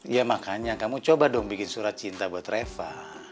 ya makanya kamu coba dong bikin surat cinta buat reva